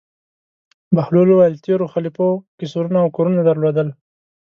بهلول وویل: تېرو خلیفه وو قصرونه او کورونه درلودل.